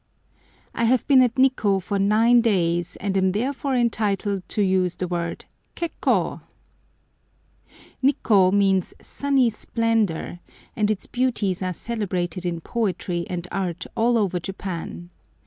I HAVE been at Nikkô for nine days, and am therefore entitled to use the word "Kek'ko!" Nikkô means "sunny splendour," and its beauties are celebrated in poetry and art all over Japan.